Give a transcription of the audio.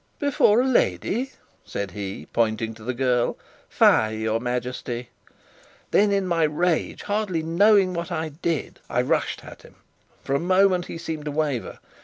"Before a lady!" said he, pointing to the girl. "Fie, your Majesty!" Then in my rage, hardly knowing what I did, I rushed at him. For a moment he seemed to waver.